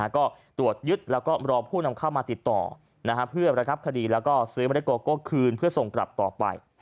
ก็ตรวจยึดแล้วก็รอผู้นำเข้ามาติดต่อเพื่อระงับคดีแล้วก็ซื้อเมล็ดโกโก้คืนเพื่อส่งกลับต่อไป